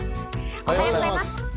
おはようございます。